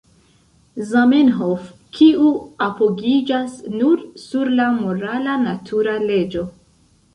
Zamenhof, kiu apogiĝas nur sur la morala natura leĝo.